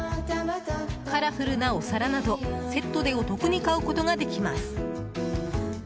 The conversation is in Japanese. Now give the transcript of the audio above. カラフルなお皿など、セットでお得に買うことができます。